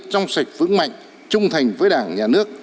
trong sạch vững mạnh trung thành với đảng nhà nước